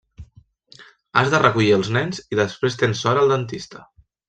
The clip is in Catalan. Has de recollir els nens i després tens hora al dentista.